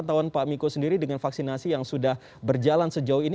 dikurangkan sendiri dengan vaksinasi yang sudah berjalan sejauh ini